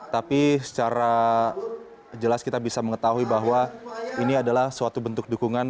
tapi secara jelas kita bisa mengetahui bahwa ini adalah suatu bentuk dukungan